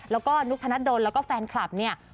แล้วก็นุคทนัดโดนแล้วก็แฟนคลับนี่